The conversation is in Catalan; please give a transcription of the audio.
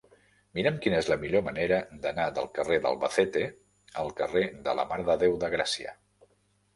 Mira'm quina és la millor manera d'anar del carrer d'Albacete al carrer de la Mare de Déu de Gràcia.